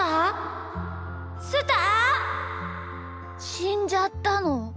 しんじゃったの？